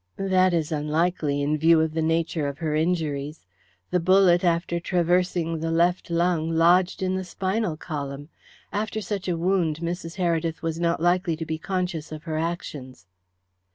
"That is unlikely, in view of the nature of her injuries. The bullet, after traversing the left lung, lodged in the spinal column. After such a wound Mrs. Heredith was not likely to be conscious of her actions."